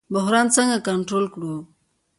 بحران څنګه کنټرول کړو؟